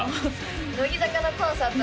乃木坂のコンサート